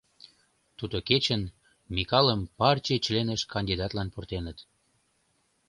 Тудо кечын Микалым партий членыш кандидатлан пуртеныт.